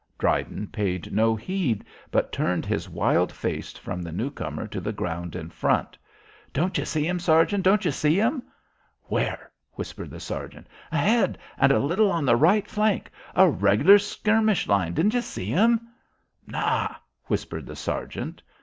Dryden paid no heed but turned his wild face from the newcomer to the ground in front. "Don't you see 'em, sergeant? Don't you see 'em?" "Where?" whispered the sergeant. "Ahead, and a little on the right flank. A reg'lar skirmish line. Don't you see 'em?" "Naw," whispered the sergeant.